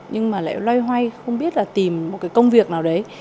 nhưng mà lại loay hoay không biết là tìm một cái công việc nào đấy